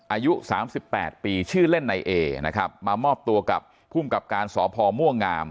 อายุสามสิบแปดปีชื่อเล่นในเอนะครับมามอบตัวกับภูมิกับการสพม่วงงาม